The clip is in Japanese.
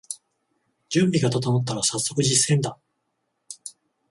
準備が整ったらさっそく実践だ